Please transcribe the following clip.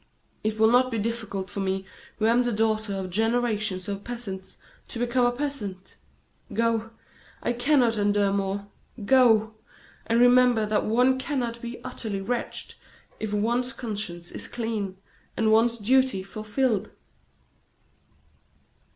It will not be difficult for me, who am the daughter of generations of peasants, to become a peasant. Go! I cannot endure more! Go! and remember that one cannot be utterly wretched if one's conscience is clean, and one's duty fulfilled!"